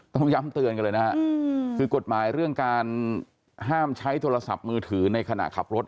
ต้องย้ำเตือนกันเลยนะฮะคือกฎหมายเรื่องการห้ามใช้โทรศัพท์มือถือในขณะขับรถ